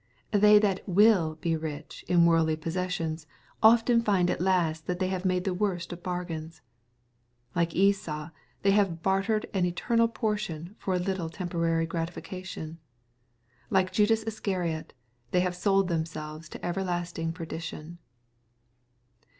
They that " vnll be rich" in worldly possessions often find at last that they have made the worst of bargains. Like Esau, they have bartered an eteraal portion for a little temporaiy gratification. Like Judas Iscariot, they have sold themselves to everlasting perdition.